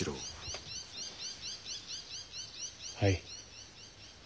はい。